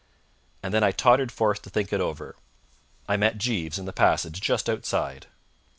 And then I tottered forth to think it over. I met Jeeves in the passage just outside.